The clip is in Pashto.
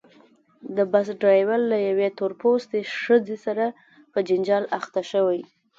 د بس ډریور له یوې تور پوستې ښځې سره په جنجال اخته شوی.